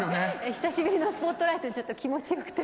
久しぶりのスポットライトにちょっと気持ちよくて。